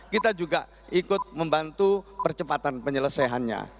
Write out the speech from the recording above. kita juga ikut membantu percepatan penyelesaiannya